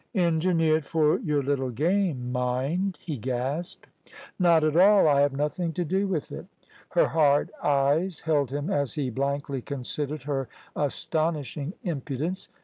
"Engineered for your little game, mind," he gasped. "Not at all. I have nothing to do with it"; her hard eyes held him as he blankly considered her astonishing impudence.